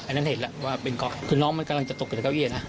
อันนั้นเห็นแล้วว่าเป็นกรอบคือน้องมันกำลังจะตกเกี่ยวกับเก้าอี้อ่ะนะ